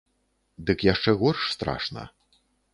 Дык яшчэ горш страшна.